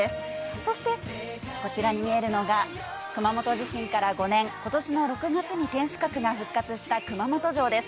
そしてこちらに見えるのが、熊本地震から５年、ことしの６月に天守閣が復活した熊本城です。